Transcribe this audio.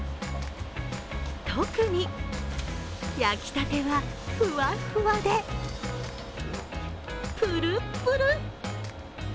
特に焼きたてはふわふわで、ぷるぷる！